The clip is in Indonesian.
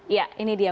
ya ini dia